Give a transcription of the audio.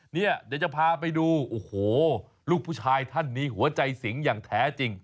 เดี๋ยวจะพาไปดูโอ้โหลูกผู้ชายท่านนี้หัวใจสิงอย่างแท้จริง